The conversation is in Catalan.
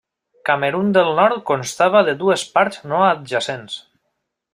Camerun del Nord constava de dues parts no adjacents.